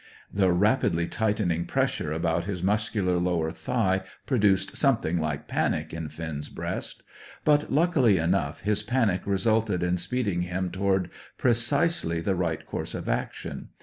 The rapidly tightening pressure about his muscular lower thigh produced something like panic in Finn's breast; but, luckily enough, his panic resulted in speeding him toward precisely the right course of action.